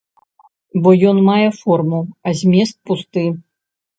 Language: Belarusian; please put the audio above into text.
Бо ён мае форму, а змест пусты.